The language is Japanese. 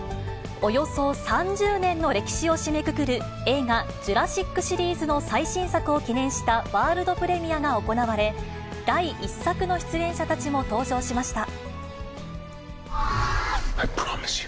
およそ３０年の歴史を締めくくる映画、ジュラシックシリーズの最新作を記念したワールドプレミアが行われ、第１作の出演者たちも登場しました。